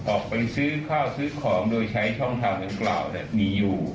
ออกไปซื้อข้าวซื้อของโดยใช้ช่องทางดังกล่าวมีอยู่